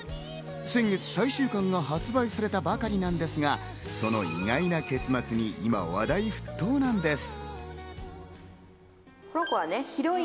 先月、最終巻が発売されたばかりなんですが、その意外な結末に今、話題沸騰なんです。